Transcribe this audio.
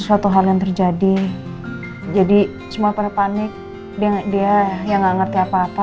sampai jumpa lagi